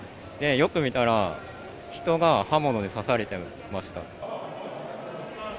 よく見たら、人が刃物で刺されてました。